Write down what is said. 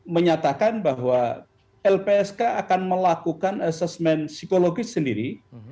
menyatakan bahwa lpsk akan melakukan asesmen psikologis sendiri